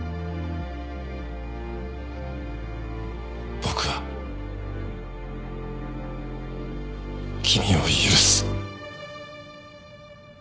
僕は君を許す。